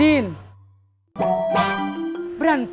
angkos seperti a ikutan